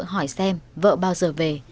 hỏi xem vợ bao giờ về